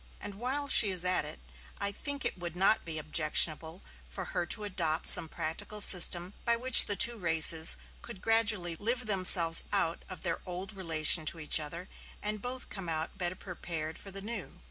And while she is at it, I think it would not be objectionable for her to adopt some practical system by which the two races could gradually live themselves out of their old relation to each other, and both come out better prepared for the new.